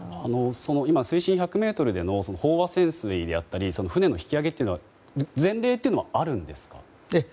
水深１００ｍでの飽和潜水であったり船の引き揚げは前例というのはあるんですか？